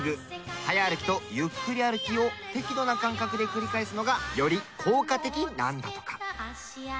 早歩きとゆっくり歩きを適度な間隔で繰り返すのがより効果的なんだとか。